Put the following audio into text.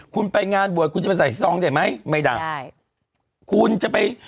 คุณไปงานบวชไปใส่ซองได้ไหมไม่ได้